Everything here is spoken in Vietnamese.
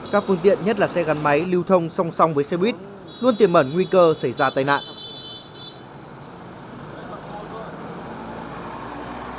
các phương tiện nhất là xe gắn máy lưu thông song song với xe buýt luôn tiềm mẩn nguy cơ xảy ra tai nạn